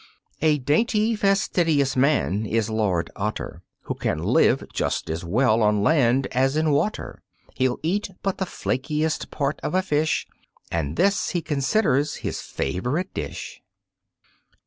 A dainty, fastidious man is Lord Otter Who can live just as well on land as in water, He'll eat but the flakiest part of a fish, And this he considers his favorite dish.